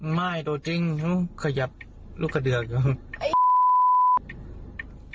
ไม่ตัวจริงยังขยับลูกกระเดือกอยู่